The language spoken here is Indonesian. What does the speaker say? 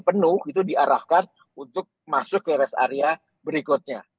penuh itu diarahkan untuk masuk ke rest area berikutnya